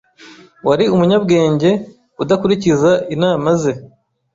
Wari umunyabwenge udakurikiza inama ze.